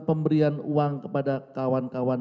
pemberian uang kepada kawan kawan